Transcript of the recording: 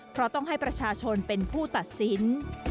เพราะต้องให้ประชาชนเป็นผู้ตัดสิน